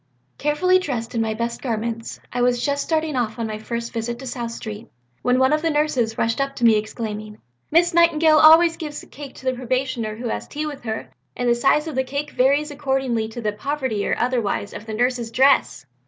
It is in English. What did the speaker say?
"Carefully dressed in my best garments I was just starting on my first visit to South Street when one of the nurses rushed up to me exclaiming, 'Miss Nightingale always gives a cake to the probationer who has tea with her, and the size of the cake varies according to the poverty or otherwise of the nurse's dress.'